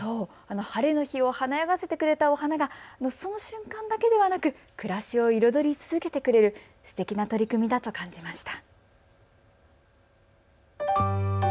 晴れの日を華やがせてくれたお花がその瞬間だけではなく暮らしを彩り続けてくれるすてきな取り組みだなと感じました。